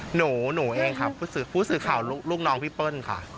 หนูเองครับผู้สื่อข่าวลูกน้องพี่เปิ้ลค่ะ